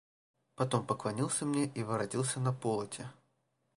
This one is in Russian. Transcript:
Потом поклонился мне и воротился на полати.